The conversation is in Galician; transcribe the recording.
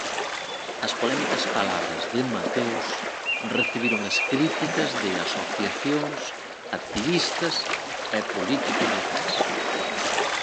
As polémicas palabras de Mateos recibiron as críticas de asociacións, activistas e políticos locais.